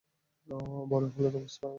বড়ো হলে, তা বুঝতে পারবে।